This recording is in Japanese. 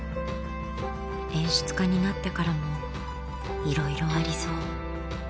演出家になってからもいろいろありそう。